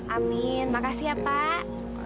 amin makasih ya pak